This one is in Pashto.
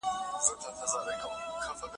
افلاطون او شاډولا برابر نه يو